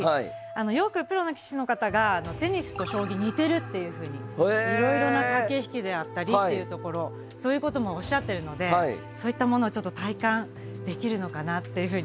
よくプロの棋士の方がテニスと将棋似てるっていうふうにいろいろな駆け引きであったりっていうところそういうこともおっしゃってるのでそういったものをちょっと体感できるのかなっていうふうに。